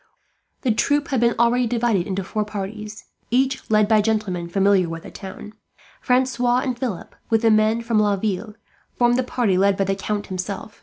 The troop had been already divided into four parties, each led by gentlemen familiar with the town. Francois and Philip, with the men from Laville, formed the party led by the Count himself.